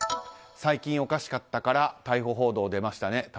最近、おかしかったから逮捕報道、出ましたね。